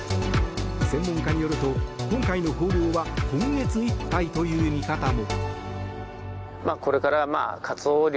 専門家によると今回の豊漁は今月いっぱいという見方も。